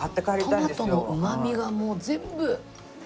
トマトのうまみがもう全部。